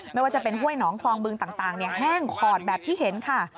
ไม่ว่าจะเป็นห้วยหนองคลองบึงต่างแห้งขอดแบบที่เห็นค่ะ